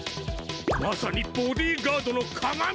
まさにボディーガードのかがみ！